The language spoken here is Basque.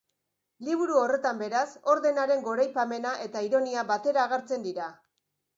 Liburu horretan, beraz, ordenaren goraipamena eta ironia batera agertzen dira.